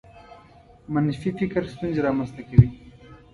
منفي فکر ستونزې رامنځته کوي.